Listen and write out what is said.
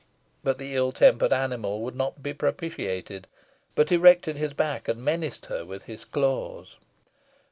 But the ill tempered animal would not be propitiated, but erected his back, and menaced her with his claws.